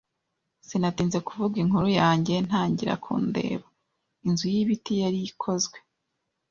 Sinatinze kuvuga inkuru yanjye ntangira kundeba. Inzu y'ibiti yari ikozwe